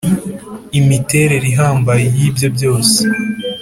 imiterere ihambaye y’ ibyo byose .